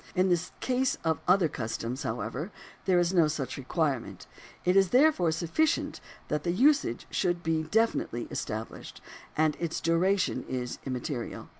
In the case of other customs, however, there is no such requirement. It is there sufficient that the usage should be definitely estab lished, and its duration is immaterial.